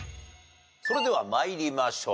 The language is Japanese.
それでは参りましょう。